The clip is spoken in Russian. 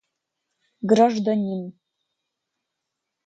Гражданин